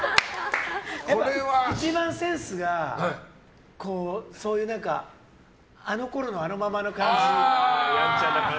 一番センスがあのころのあのままな感じ。